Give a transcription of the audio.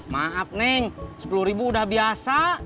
maaf neng rp sepuluh udah biasa